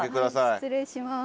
失礼します。